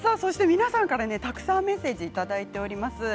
皆さんからたくさんメッセージいただいております。